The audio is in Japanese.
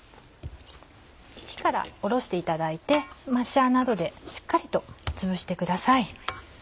火から下ろしていただいてマッシャーなどでしっかりとつぶしてください。